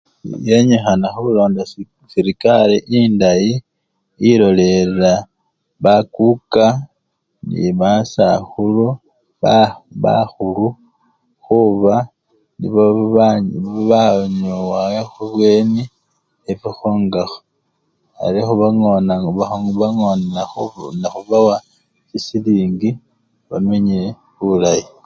Yenyikhana khulonda serekari endayi ilolelela bakuka nebasakhulu ba! bakhulu khuba nibo baba banyowa ebweni efwe khwongakho arii khubangona! khubangonelakho nekhubawa silingi bamenye bulayi.